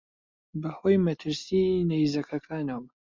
بە هۆی مەترسیی نەیزەکەکانەوە